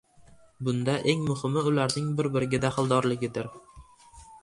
Bunda eng muhimi ularning bir-biriga daxldorligidir.